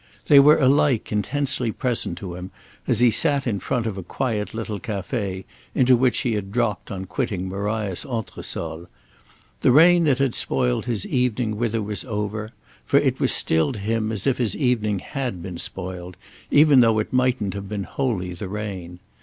They were alike intensely present to him as he sat in front of a quiet little café into which he had dropped on quitting Maria's entresol. The rain that had spoiled his evening with her was over; for it was still to him as if his evening had been spoiled—though it mightn't have been wholly the rain.